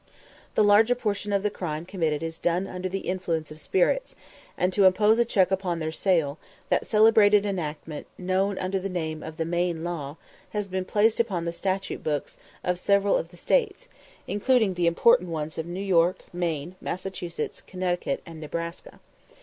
The larger portion of the crime committed is done under the influence of spirits; and to impose a check upon their sale, that celebrated enactment, known under the name of the "Maine Law" has been placed upon the statute books of several of the States, including the important ones of New York, Maine, Massachusetts, Connecticut, and Nebraska.